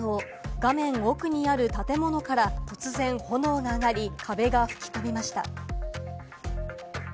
画面奥にある建物から突然、炎が上がり壁が吹き飛びました。